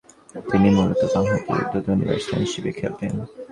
তিনি মূলতঃ বামহাতি উদ্বোধনী ব্যাটসম্যান হিসেবে খেলতেন।